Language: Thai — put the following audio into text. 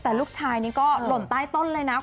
แต่ลูกชายนี่ก็หล่นใต้ต้นเลยนะ